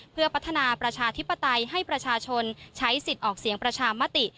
เพื่อพัฒนาประชาธิปไตยให้ประชาชนใช้สิทธิ์ออกเสียงประชามติ